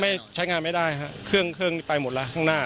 ใช้งานไม่ได้ฮะเครื่องเครื่องนี้ไปหมดแล้วข้างหน้า